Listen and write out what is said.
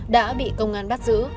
đã bị công an bắt giữ